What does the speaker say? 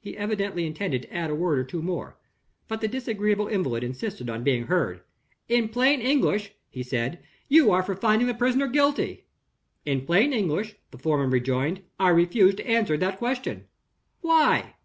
He evidently intended to add a word or two more. But the disagreeable invalid insisted on being heard. "In plain English," he said, "you are for finding the prisoner guilty." "In plain English," the foreman rejoined, "I refuse to answer that question." "Why?"